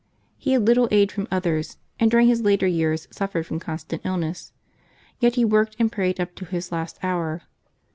He had little aid from others, and during his later years suffered from constant illness ; yet he worked and prayed up to his last hour.